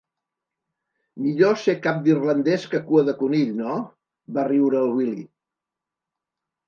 Millor ser cap d'irlandès que cua de conill, no? —va riure el Willy.